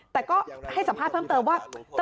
แต่ก็ให้สัมภาษณ์เพิ่มเติมว่า